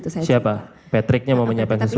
itu siapa patricknya mau menyiapkan sesuatu